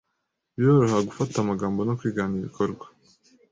Biroroha gufata amagambo no kwigana ibikorwa